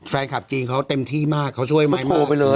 แฟนคลับจริงเขาเต็มที่มากเขาช่วยไมค์มาก